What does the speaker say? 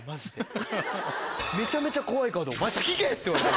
めちゃめちゃ怖い顔で。